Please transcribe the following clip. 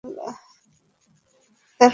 তারপর ছবি দেখব।